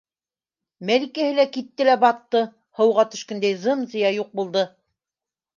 Мәликәһе лә китте лә батты, һыуға төшкәндәй зым-зыя юҡ булды.